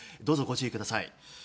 どうぞご注意ください。